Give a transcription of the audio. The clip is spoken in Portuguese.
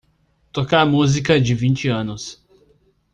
Tocar música de vinte anos